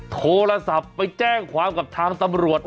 โทรศัพท์ไปแจ้งความกับทางตำรวจ